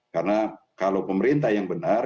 karena kalau pemerintah yang benar